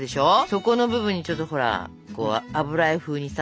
そこの部分にちょっとほら油絵風にさ。